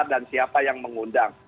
dan siapa yang mengundang